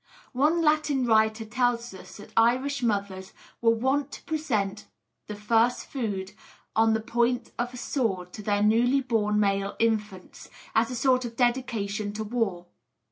One Latin writer tells us that Irish mothers were wont to present the first food on the point of a sword to their newly born male infants, as a sort of dedication to war.